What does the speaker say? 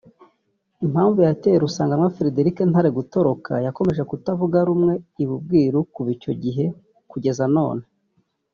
Impamvu yateye Rusanganwa Fredric Ntare gutoroka yakomeje kutavuga rumwe iba ubwiru kuva icyo gihe kugeza none